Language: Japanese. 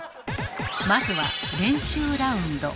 まずは練習ラウンド。